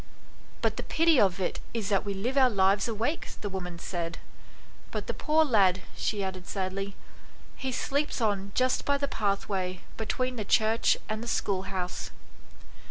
"But the pity of it is that we live our lives awake," the woman said. "But the poor lad," she added sadly, "he sleeps on just by the pathway between the church and the schoolhouse."